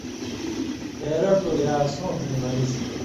پھېرٹوۡ یا سُونݜوۡ نی بنُژ